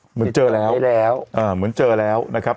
เหมือนเจอแล้วเหมือนเจอแล้วนะครับ